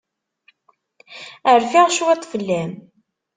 Rfiɣ cwiṭ fell-am.